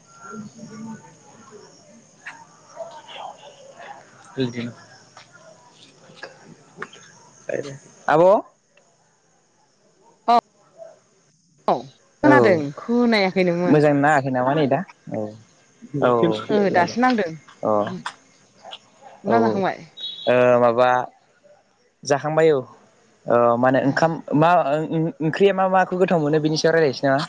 [unintelligible] जोंनिथिं आब' अ औ औ खोनादों खोनायाखैनोमोन मोजां नाङाखै नामा नै दा औ ओ औ दासो नांदों अ औ ओंखाम ओ जाखांबाय माबा बा जाखांबाय औ ओ माने ओंखाम मा ओ ओव ओंख्रिया मा माखौ गोथाव मोनो बिनि सायाव रायलायनोसै नामा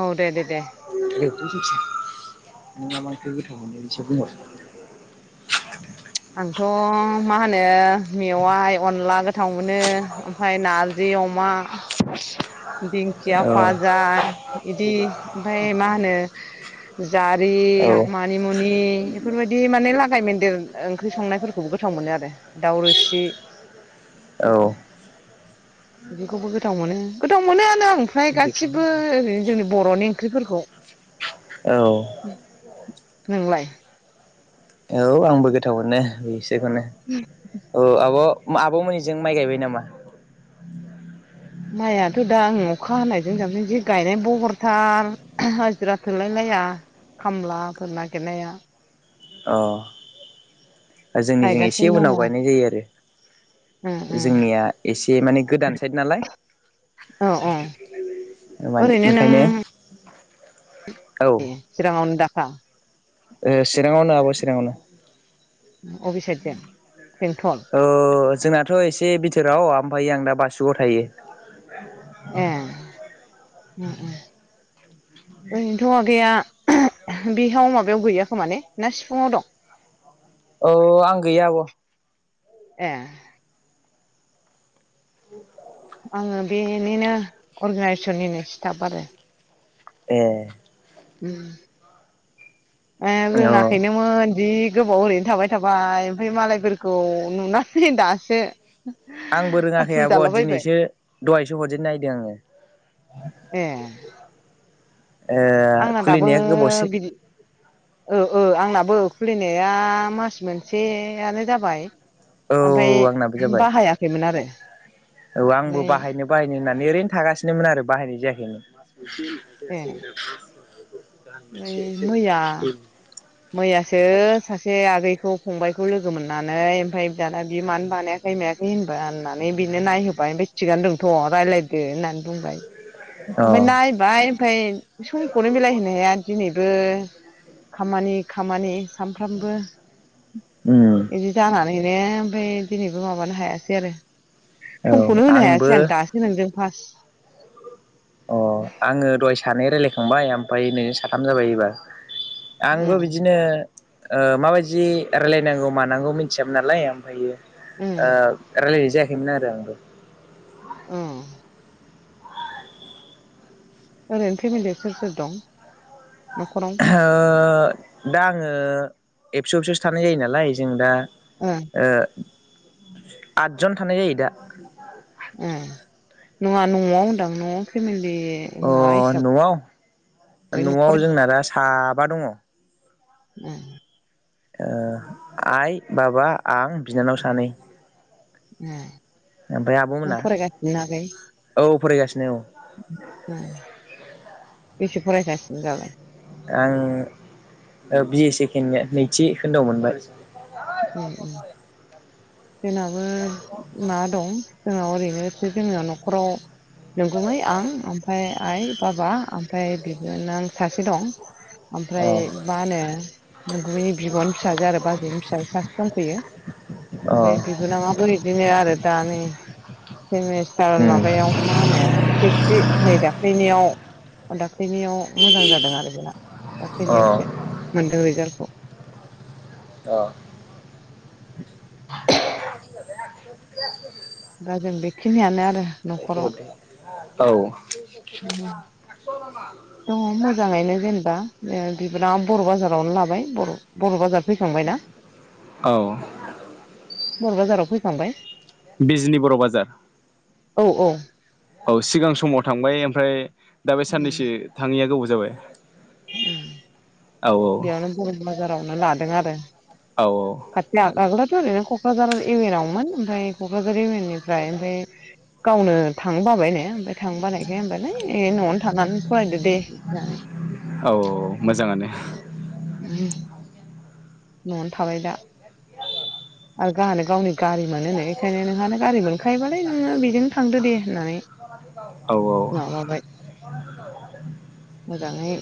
औ दे-दे-दे [unintelligible] आंथ' मा होनो मेवाइ अनला गोथाव मोनो ओमफाय नारजि अमा [inaudible] दिंखिया औ फाजा इदि ओमफाय मा होनो जारि मानिमुनि एफोरबायदि माने लागाय मोनदेर ओंख्रि संनायफोर खौ गोथाव मोनो आरो दाउ रोसि औ फोरखौ जेखौबो गोथाव मोनो गोथाव मोनोआनो ओमफ्राय गासिबो ओरैनो जोंनि बर'नि ओंख्रिफोरखौ औ नोंलाय? औ आंबो गोथाव मोनो बेखौनो औ आब' आब'मोननिजों माइ गायबाय नामा? माइआथ' दा आं अखा हानायजों जाबजों जि गायनाय बहरथार हाजिरा थोलायलाया खामलाफोर नागिरनाया औ जोंनिजों एसे गायगासिनो उनाव गायनाय जायो आरो दङ उम उम जोंनिया एसे माने गोदान साइद नालाय औ औ मानि ओंखायनो [unintelligible] हा ए चिराङावनो आब' चिराङावनो अबे साइडखै बेंटन ओ जोंनाथ' एसे बिथोराव आमफाय आं दा बासुगाव थायो ए ओ ओ ओरैनोथ' आगैया बेहाव माबायाव गैया खोमा ने ना सिफुङाव दं? औ आं गैया आब' ए आङो बेनिनो अर्गेनाइजेसननिनो स्टाफ आरो ए ओम ए अ रोङाखैनोमोन जि गोबाव ओरैनो थाबाय थाबाय ओमफाय मालायफोरखौ नुनानै दासो आंबो रोङाखै आथुर आब' जालाबायबाय दिनैसो दहायसो हरजेन नायदों आङो ए ओ आंना दाबो खुलिनाया गोबावसे बिदि ओ ओ आंनाबो खुलिनाया मास मोनसेयानो जाबाय औ आंनाबो आमफाय जाबाय बाहायाखैमोन आरो औ आंबो ओमफ्राय बाहायनो बाहायनो होननानै ओरैनो थागासिनोमोन आरो बाहायनाय जायाखैनो [unintelligible] [unintelligible] ए मैया मैयासो सासे आगैखौ फंबायखौ लोगो मोननानै ओमफ्राय दाना बि मानो बानायाखै मायाखै होनबा होननानै बिनो नायहोबाय ओमफफ्राय थिगानो दंथ' रायज्लायदो होननानै बुंबाय अ ओमफ्राय नायबाय ओमफाय समखौनो मिलायहोनो हाया दिनै खामानि खामानि सानफ्रामबो उम बिदि जाना बानाय ओमफ्राय दिनैबो माबानो हायासै आरो औ समखौनो होनो हायासै आंबो आं दासो नोंदों बास अ आङो दहाय सानै रायलायखांबाय। ओमफ्राय नोंजों साथाम जाबाय एबार। आंबो उम बिदिनो माबायदि रायलायनांगौ मानांगौ मिथियामोन नालाय ओमफ्रायो उम ओ रायलायनाय जायाखै खौमोन आरो आंबो। औ ओरैनो फेमिलिया सोर सोर दं? न'खराव ओहो दा आङो एबसु आवसो थानाय जायो नालाय जों दा। ओं ओ आदजन थानाय जायो दा। ओम नङा न'आव होनदां न'आव फेमिलि। अ माबा हिसाबै न'आव न'आव न'खर जोंना दा साब बा दङ। [inaudible] ओ आइ बाबा आं बिनानाव सानै। ओम ओमफ्राय नों आब'मोना फरायगासिनो आगै? [unintelligible] ओम बेसे फरायगासिनो दालाय? आं बि ए सेकेण्ड नैथि खोन्दाआव मोनबाय। उम उम जोंनाबो माबा दं जोंनाव ओरैनोसो जोंन न'खराव नोंगुमै आं ओमफ्राय आइ बाबा ओमफ्राय बिबोनां सासे दं। अ ओमफ्राय मा होनो नोंगुमैनि बिब'नि फिसाजो आरो बाजैनि फिसाज सासे दंफैयो अ ओमफ्राय बिबोनांआबो बिदिनो आरो दा नै सेमिस्टार उम माबायाव मा होनो से नै दाख्लैनियाव दाखलैनियाव मोजां जादों आरो बेना। अ दाखैनायावसो मोनदों रिजाल्टखौ। अ दा जों बेखिनियानो आरो न'खराव। औ दङ मोजाङैनो जेनेबा बिबारां बर' बाजारावनो लाबाय बर' बाजार फैखांबायना। औ बर' बाजाराव फैखांबाय? बिजनि बर' बाजार। औ औ। औ सिगां समाव थांबाय ओमफ्राय दा बे उम साननैसो थाङौ गोबाव जाबाय। उम बेयावनो बरम बाजारावनो लादों आरो। खाथिया गाग्लोब बे ओरैनो'कझार इउएनवमोन ओमफ्राय क'क्राझार इउएन नि ओमफ्राय ओमफ्राय गावनो थां बाबाय नो ओमफ्राय थां बानायखाय होनबालाय न'आवनो थांनानै फरायदो दे इदि होननानै। औ औ मोजाङानो न'आव नो थाबाय दा। आरो गाहानो गावनि गारि मोनोनो बेखायनो नोंहानो गारि मोनखायोबालथाय नोङो बेजोंनो थांदो दे होननानै औ औ माबाबाय मोजाङै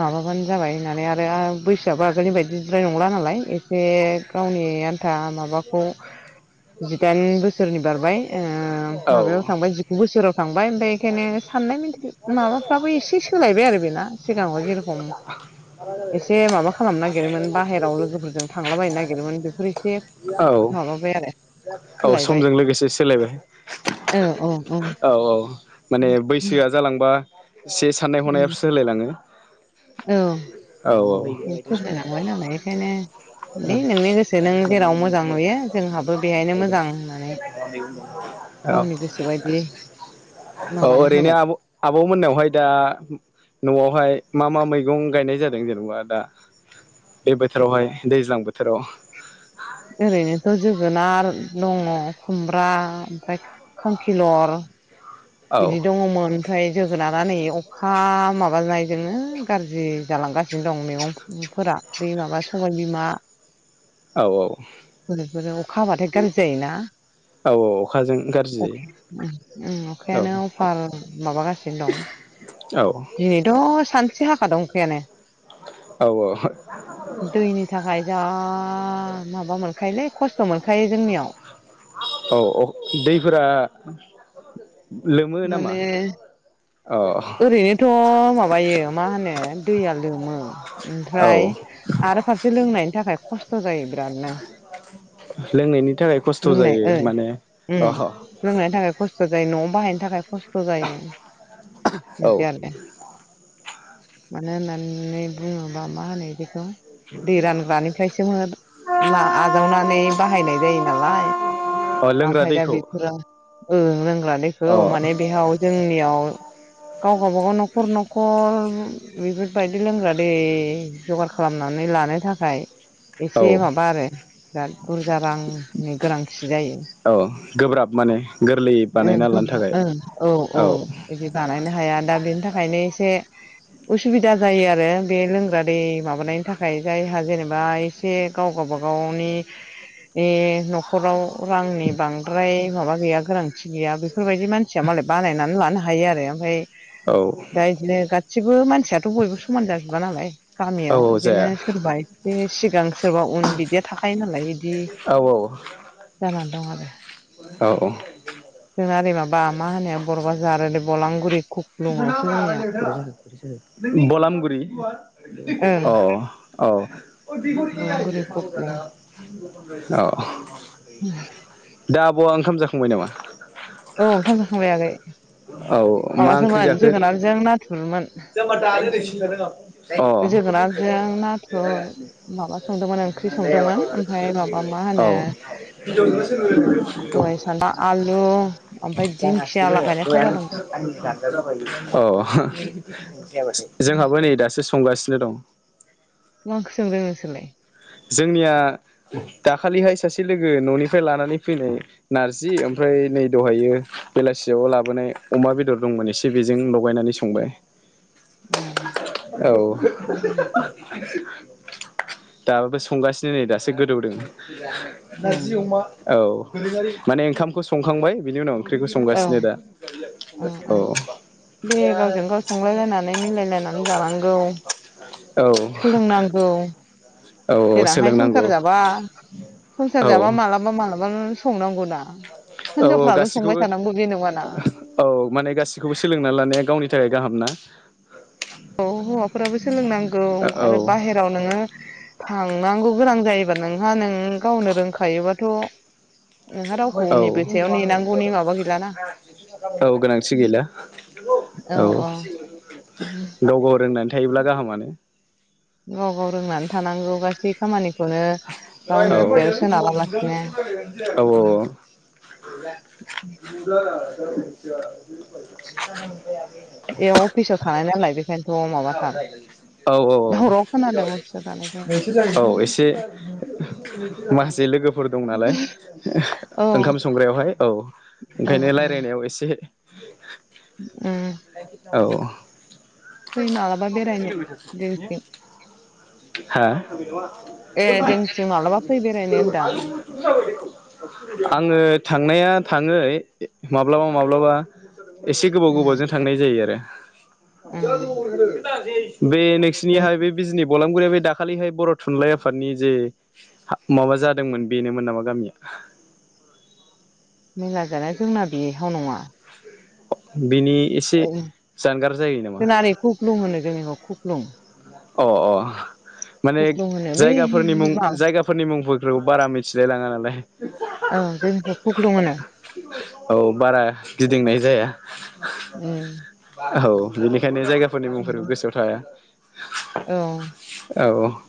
माबाबानो जाबाय होननानै आरो बैसोआबो आगोलनि बायदि जिद्राय नंला नालाय एसे गावनि आन था मा माबाखौ जिदाइन बोसोरनि बारबाय ओ औ माबायाव थांबाय जिगु बोसोराव थांबाय ओमफाय एखायनो साननाय साननाय मेन्टेलि माबा बो एसे सोलायबाय आरो बेना सिगाङाव जेरखम एसे माबा खालामनो नागिरोमोन बाहेरायाव लोगोफोरजों थांलाबायायनो नागिरोमोन बे फोर एसे। औ माबाबाय आरो औ सोलायबाय समजों लोगोसे सोलायबाय औ औ औ औ माने बैसोआ जालांबा एसे साननाय उम हनायाबो सोलायलाङो। औ औ बेस होनोलांबाय नालाय बेखायनो दे नोंनि गोसो नों जेराव मोजां औ नुयो जोंहाबो बेहायनो मोजां होननानै गावनि गोसो बायदि माबानो औओरैनो होबाय आब आब मोनावहाय दा न'आव बहाय मा मा मैगं गायनाय जादों जेनेबा दा बे बोथोरावहाय दैज्लां बोथोराव? ओरैनोथ' जोगोनार दङ खुमब्रा ओमफ्राय खांखिलर। औ बिदि दङमोन ओमफ्राय जोगोनारा नै अखा माबानायजोंनो गाज्रि जालांगासिनो दं मैगंफोरा बै माबा सबाय बिमा। औ मुलिफोरजों अखा हाबाथाय गाज्रि जायोना औ अखाजों औ गाज्रि ओं अखा जायो अखायानो अफार माबागासिनो दं। औ दिनैथ' सान से हाखादों अखायानो। औ दैनि थाखाय जा आ माबा मोनखायोलै खस्थ' मोनखायो जोंनियाव। औ औ दैफोरा लोमो नामा? माने अ ओरैनोथ माबायो मा होनो दैया लोमो औ ओमफ्राय आरो फारसे लोंनायनि थाखाय खस्थ जायो बिरादनो लोंनायनि थाखाय खस्थ लोंनाय जायो ओ माने उम अ लोंनायनि थाखाय खस्थ जायो नआव बाहायनो थाखाय खस्थ जायो [unintelligible] औ मानो होननानै बुंङोबा मा होनो बेखौ दै रानग्रानिफ्रायसोम आजावनानै बाहायनाय जायो नालाय अ लोंग्रा ओमफ्राय दा दैखौ बेफोरो ओ ग्रा दैखौ अ माने बेयाव जोंनियाव औ गावबा गाव नखर नखर बेफोरबायदि लोंग्रा दै जगार खालामनानै लानो थाखाय औ एसे माबा आरो बिराद बुरजा रांनि गोनांथि जायो औ गोब्राब माने गोरलै ओं बानायना लानो थाखाय गोब्रा ओं औ बिदि बानायनो हाया दा बेनि थाखायनो एसे उसुबिदा जायो आरो बे लोंग्रा दै माबानायनि थाखाय जायहा जेनेबा एसे गाव गावबाागावनि नखराव रांनि बांद्राय माबा गैया गोनांथि गैया बेफोरबायदि मानसिया मालाय बानायनानै लानो हाग हायो आरो ओमफ्राय औ दा इदिनो गासिबो मानसियाथ बयबो समान जाजोबा नालाय औ गामियाव बिदिनो जाया सोरबा एसे सिगां सोरबा उन बिदिया थाखायो नालाय बिदि औ औ जानानै दं आरो औ औ जोंना ओरै माबा मा होनो बर ब्रााजार ओरै बलांगुरि खुख्लुङावसो जोंनिया [unintelligible] बलामगुरि ओं अ औ [unintelligible] अ बलांगुरि गब्लं दा अवा ओंखाम जाखांबाय नामा औ ओंखाम जाखांबाय आगै औ मा ओंख्रि माबासोमोन जाखो जोगोनारजों नाथुरमोन [unintelligible] [inaudible] जोगोनारजों नाथुर माबा संदोंमोन ओंख्रि संदोंमोन ओमफ्राय माबा मा अ औ होनो जागासिनो साइ सान्दा आलु ओमफ्राय दिंखिया लागायनाय फाजा दंमोन [unintelligible] जोंहाबो नै दासो संगासिनो दं मा ओंख्रि संदों नोंसोरलाय? जोंनिया दाखालिहाय सासे लोगो न'निफ्राय लानानै फैनाय नारजि ओमफ्राय नै दहायो बेलासियाव लाबोनाय अमा बेदर दंमोन एसे बेजों लगायनानै संबाय। औ दाबो बे संगासिनो नै दासो गोदौदों। नारजि अमा औ माने ओंखामखौ संखांबाय बिनि उनाव ओंख्रिखौ औ संगासिनो दा औ औ दे औ गावजों गाव संलायलायनानै मिलायलायनानै जानांगौ। सोलोंनांगौ औ देनांहाय सोलोंनांगौ संसार जाबा संसार औ जाबा मालाबा मालाबा संनांगौना औ औ गाससिखौबो औ माने गासिखौबो सोलोंना लानाया गावनि थाखाय गाहामना औ हौवाफोराबो सोलोंनांगौ औ आरो बाहेराव नोङो थांनांगौ गोनां जायोबा नोंहा नों गावनो रोंखायोबाथ' नोंहा औ रावखौनिबो सायाव नेनांगौनि माबा गैलाना औ गोनांथि गैला। औ गाव गाव रोंनानै थायोब्ला गाहामानो। गाव गाव रोंनानै थानांगौ गासै खामानि औ औ सोनाबालासिनो औ औ [inaudible] [inaudible] [inaudible] बेयाव अफिसाव थानाय नालाय बेखायनोथ' माबाथार औ दराव खोनादों अफिसाव थानायखाय औ एसे माखासे लोगोफोर दं नालाय औ ओंखाम संग्रायावहाय औ उम ओंखायनो उम लायरायनायाव एसे [inaudible] उम औ फै मालाबा बेरायनो जोंथिं हा? [inaudible] ए जोंथिं मालाबा फै बेरायनो होनदां आङो थां नाया थाङो माब्लाबा माब्लाबा एसे गोबाव उम गोबावजों थांनाय जायो आरो उम [inaudible] बे जों नोंसिनिहाय बे बिजनि बलां [unintelligible] दाखालैहाय बर' थुनलाइ आफादनि जे हा माबा जादोंमोन बेनोमोन नामा गामिया मेला जानाया जोंना बेहाव नङा बेनि एसे औ जानगार जायो नामा जोंना ओरै खुख्लुं होनो जोंनिखौ खुख्लुं अ अ माने खुख्लुं होनो बै जायगाफोरनि मुं माबा जायगाफोरनि मुंफोर बेफोरखौ बारा मिथिलायलाङा औ जोंनिखौ खुख्लु होनो औ बारा गिदिंनाय जाया उम औ बेखायनो जायगाफोरनि मुंफोरबो गोसोआव थाया [inaudible] औ औ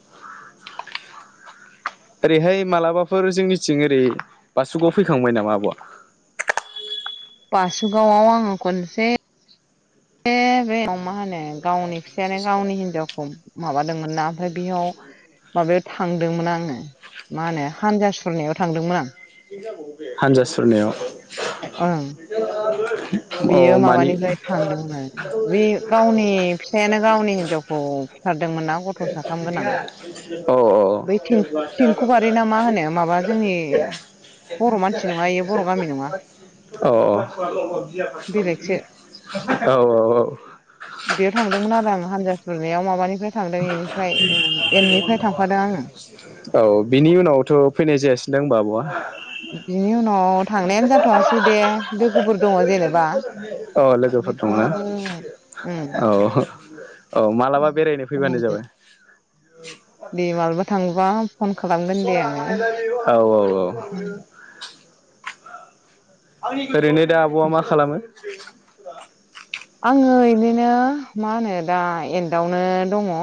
ओरैहाय मालाबाफोर जोंनिथिं ओरै बासुगाव फैखांबाय नामा आब'आ बासुगावआव आङो खनसे से बे अ मा होनो गावनि फिसायानो गावनि हिनजावखौ माबादोंमोन ना ओमफ्राय बेयाव माबायाव थांदोंमोन आङो मा होनो हानजा सुरनायाव थांदोंमोन आं हानजा सुरनायाव [inaudible] अ बियो मानि माबानिफ्राय अ थांदोंमोन आरो बे गावनि फिसायानो गावनि हिनजावखौ फुथार अ बै थेंखुबारि ना मा होनो माबा जोंनि औ बर' मानसि नङा इयो बर' गामि नङा औ बेलेगसो औ बेयाव थांदोंमोन आरो आं औ हानजा सुरनायाव माबानि थांफादों आङो औ बिनि उनावथ' फैनाय जायसिनो दां ओमबा आब'आ बिनि उनाव औ थांनायानो जाथ'सै दे लोगोफोर दङ जेनेबा अ लोगोफोर दंना औ [unintelligible] बेरायनो फैबानो जाबाय दे मालाबा थांबा फन खालामगोन दे सना आङो आइ लाभ इउ [inaudible] औ-औ-औ [inaudible] ओरैनो दा आब'आ मा खालामो। [inaudible] आङो इदिनो मा होनो दा एन्दआवनो दङ।